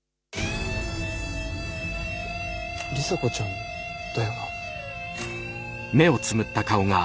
里紗子ちゃんだよな。